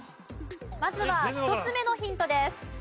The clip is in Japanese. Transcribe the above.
まずは１つ目のヒントです。